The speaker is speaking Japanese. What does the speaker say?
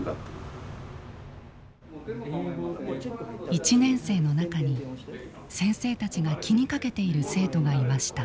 １年生の中に先生たちが気にかけている生徒がいました。